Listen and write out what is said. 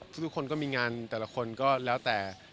ทุกคนก็มีงานแต่ละคนก็แล้วแต่